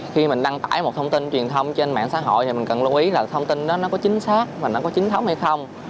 khi mình đăng tải một thông tin truyền thông trên mạng xã hội thì mình cần lưu ý là thông tin đó nó có chính xác và nó có chính thống hay không